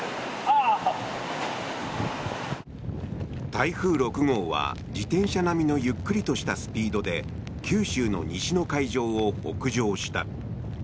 台風６号は自転車並みのゆっくりとしたスピードで九州の西の海上を北上した。